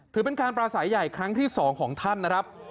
ถือเป็นการปราศัยใหญ่ครั้งที่๒ของท่านนะครับ